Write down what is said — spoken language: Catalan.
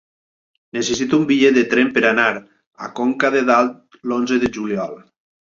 Necessito un bitllet de tren per anar a Conca de Dalt l'onze de juliol.